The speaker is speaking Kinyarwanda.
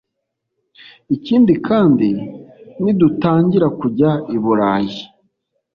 Ikindi kandi nidutangira kujya i Burayi